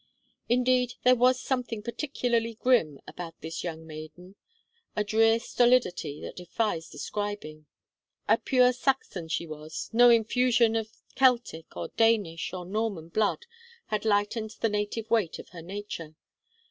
Indeed, there was something particularly grim about this young maiden a drear stolidity that defies describing. A pure Saxon she was no infusion of Celtic, or Danish, or Norman blood had lightened the native weight of her nature.